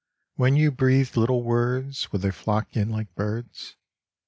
When you breathed little words Would they flock in like birds?